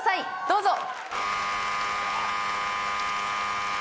どうぞ。